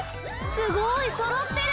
すごいそろってる。